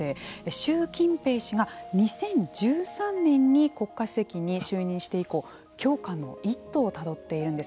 習近平氏が２０１３年に国家主席に就任して以降強化の一途をたどっているんです。